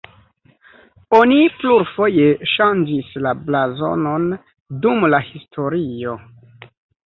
Oni plurfoje ŝanĝis la blazonon dum la historio.